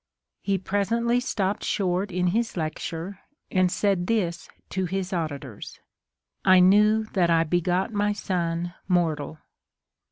He pres ently stopped short in his lecture, and said this to his auditors, I knew that I begot my son mortal.